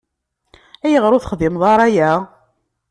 Ayɣer ur texdimeḍ ara aya?